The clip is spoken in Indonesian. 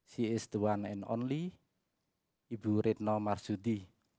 dia adalah satu satunya ibu retno marsudi